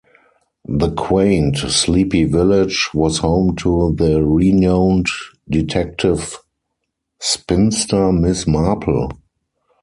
The quaint, sleepy village was home to the renowned detective spinster Miss Marple.